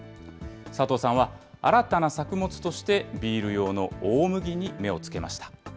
佐藤さんは、新たな作物としてビール用の大麦に目をつけました。